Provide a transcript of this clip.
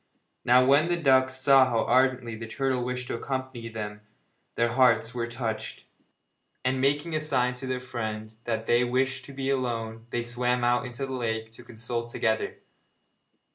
Now, when the ducks saw how ardently the turtle wished to accompany them their hearts were touched, and making a sign to their friend that they wished to be alone they swam out into the lake to consult together.